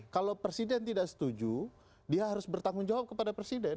kalau presiden tidak setuju dia harus bertanggung jawab kepada presiden